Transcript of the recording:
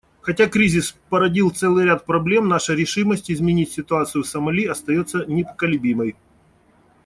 Хотя кризис породил целый ряд проблем, наша решимость изменить ситуацию в Сомали остается непоколебимой.